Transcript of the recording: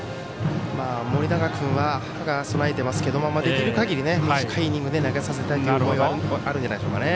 盛永君は備えていますけれどもできるかぎり、短いイニングで投げさせたいという思いはあるんじゃないですかね。